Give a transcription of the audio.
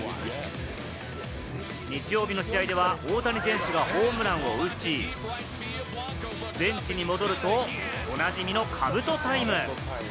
日曜日の試合では大谷選手がホームランを打ち、ベンチに戻ると、おなじみの兜タイム。